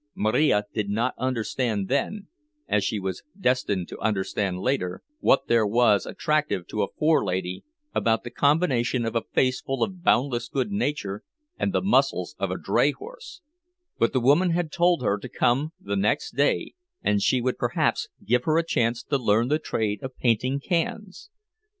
Marija did not understand then, as she was destined to understand later, what there was attractive to a "forelady" about the combination of a face full of boundless good nature and the muscles of a dray horse; but the woman had told her to come the next day and she would perhaps give her a chance to learn the trade of painting cans.